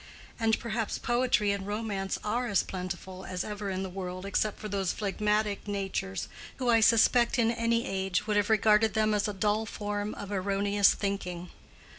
And perhaps poetry and romance are as plentiful as ever in the world except for those phlegmatic natures who I suspect would in any age have regarded them as a dull form of erroneous thinking.